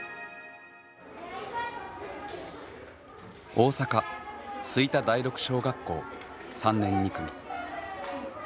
大阪吹田第六小学校３年２組。